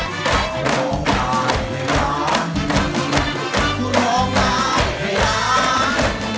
แล้วสำหรับเพลงที่สองนะครับ